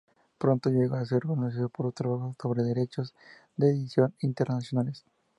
Pronto llegó a ser conocido por su trabajo sobre derechos de edición internacionales.